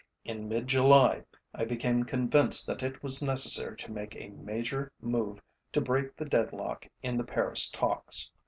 In mid July I became convinced that it was necessary to make a major move to break the deadlock in the Paris talks.